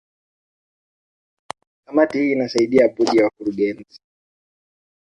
Kamati hii inasaidia Bodi ya Wakurugenzi